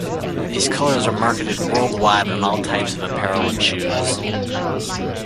These colors are marketed worldwide on all types of apparel and shoes.